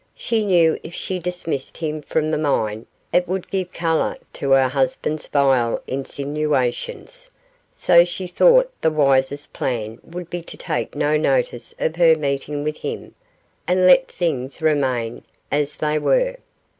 She knew if she dismissed him from the mine it would give colour to her husband's vile insinuations, so she thought the wisest plan would be to take no notice of her meeting with him, and let things remain as they were.